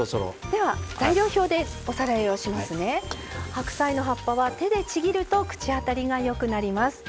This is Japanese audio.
白菜の葉っぱは手でちぎると口当たりがよくなります。